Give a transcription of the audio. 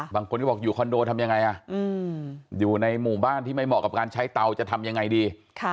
บางคนก็บอกอยู่คอนโดทำยังไงอยู่ในหมู่บ้านที่ไม่เหมาะกับการใช้เตาจะทำยังไงดี